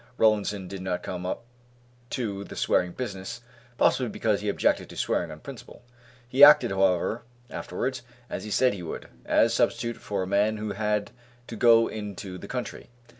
Rollinson did not come up to the swearing business; possibly because he objected to swearing on principle. He acted, however, afterwards as he said he would, as substitute for a man who had to go into the country.